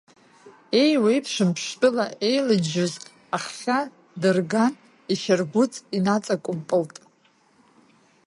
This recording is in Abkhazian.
Еиуеиԥшым, ԥштәыла еилыџьџьоз аххьа дырган ишьаргәыҵ инаҵакәымпылт.